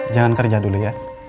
jangan kerja dulu ya